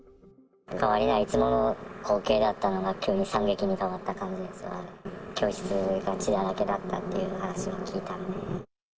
変わりないいつもの光景だったのが、急に惨劇に変わった感じですから、教室が血だらけだったっていう話も聞いたんで。